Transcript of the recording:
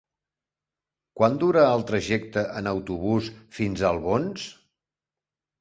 Quant dura el trajecte en autobús fins a Albons?